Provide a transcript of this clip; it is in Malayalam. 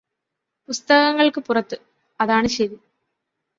പുസ്തകങ്ങള്ക്ക് പുറത്ത് അതാണ് ശരി